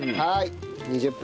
２０分！